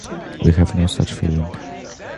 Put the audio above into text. We have no such feeling.